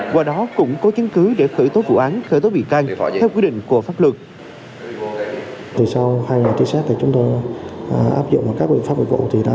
qua đó cũng có chứng cứ để khởi tố vụ án khởi tố bị can theo quyết định của pháp luật